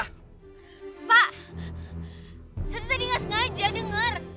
pak saya tadi gak sengaja dengar